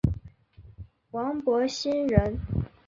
王柏心人。